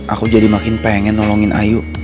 aku jadi makin pengen nolongin ayu